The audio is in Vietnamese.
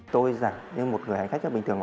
tôi giả như một người hành khách bình thường